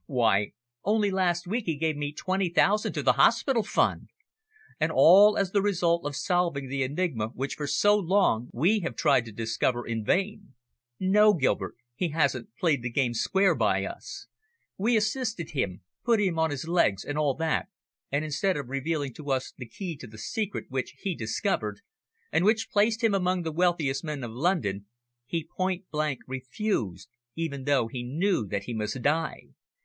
Why, only last week he gave twenty thousand to the Hospital Fund. And all as the result of solving the enigma which for so long we have tried to discover in vain. No, Gilbert, he hasn't played the square game by us. We assisted him, put him on his legs, and all that, and instead of revealing to us the key to the secret which he discovered, and which placed him among the wealthiest men of London, he point blank refused, even though he knew that he must die.